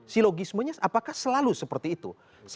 silogismenya apakah selalu seperti itu